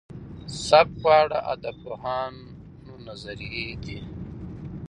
سبک په اړه د ادبپوهانو نظريې دي.